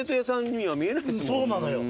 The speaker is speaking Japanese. そうなのよ。